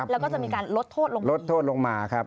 แล้วก็จะมีการลดโทษลงมาลดโทษลงมาครับ